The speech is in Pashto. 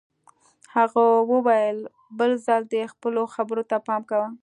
هغه وویل بل ځل دې خپلو خبرو ته پام کوه